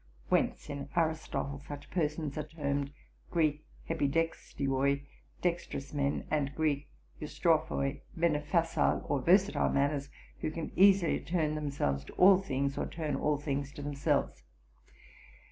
(Whence in Aristotle such persons are termed [Greek: hepidexioi], dextrous men, and [Greek: eustrophoi], men of facile or versatile manners, who can easily turn themselves to all things, or turn all things to themselves.)